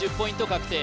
確定